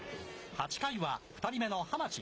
８回は２人目の浜地。